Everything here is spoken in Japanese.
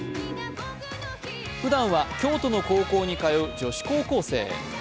ふだんは京都の高校に通う女子高校生。